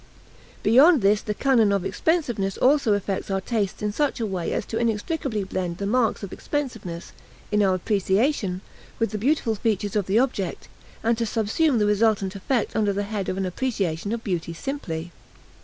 Beyond this the canon of expensiveness also affects our tastes in such a way as to inextricably blend the marks of expensiveness, in our appreciation, with the beautiful features of the object, and to subsume the resultant effect under the head of an appreciation of beauty simply.